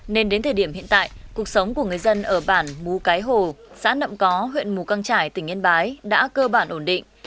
nên đến thời điểm hiện tại cuộc sống của người dân ở bản mú cái hồ xã nậm có huyện mù căng trải tỉnh yên bái đã cơ bản ổn định